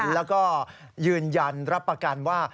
แล้วก็ยืนยันรับประกันว่า